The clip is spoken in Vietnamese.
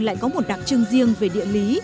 lại có một đặc trưng riêng về địa lý